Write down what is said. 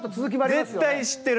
絶対知ってる。